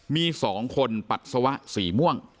มี๒คนปัสสาวะสีม่วง